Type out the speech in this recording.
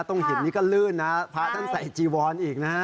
ตรงเห็นที่ก็ลื่นพระท่านใส่จีบอลอีกนะ